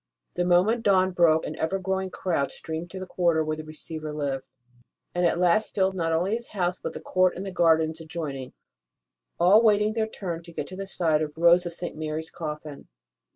The moment dawn broke an ever growing crowd streamed to the quarter 182 ST. ROSE OF LIMA where the Receiver lived, and at last filled not only his house, but the court and gardens adjoin ing, all waiting their turn to get to the side of Rose of St. Mary s coffin.